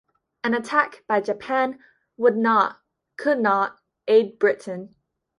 An attack "by Japan" would not, could not, aid Britain.